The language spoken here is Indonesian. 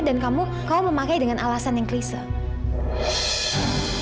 dan kamu kamu memakai dengan alasan yang keliseu